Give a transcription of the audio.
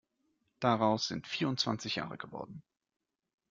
Daraus sind vierundzwanzig Jahre geworden.